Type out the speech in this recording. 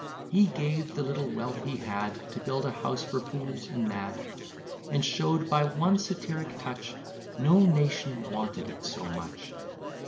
"He gave the little wealth he had To build a house for fools and mad; And show'd by one satiric touch, No nation wanted it so much.